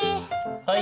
はい！